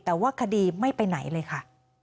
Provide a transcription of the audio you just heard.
แต่ว่าคดีไม่ไปไหนเลยค่ะ